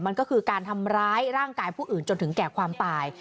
มันก็คือการทำร้ายร่างกายผู้อื่นจนถึงแก่ความตาย